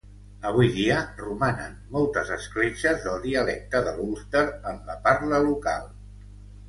Avui dia romanen moltes escletxes del dialecte de l'Ulster en la parla local.